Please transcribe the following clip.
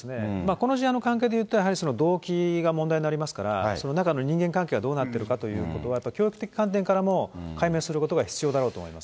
この事案の関係でいうと、動機が問題になりますから、中の人間関係がどうなっているかということは、教育的観点からも解明することが必要だろうと思います